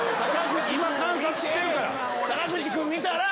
今観察してるから。